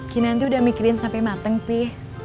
saya sudah mikirkan sampai matang tih